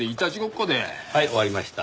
はい終わりました。